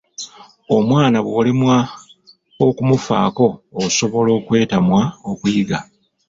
Omwana bw'olemwa okumufaako asobola okwetamwa okuyiga.